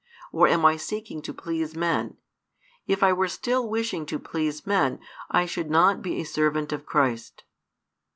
or am I seeking to please men? If I were still wishing to please men, I should not be a servant of Christ.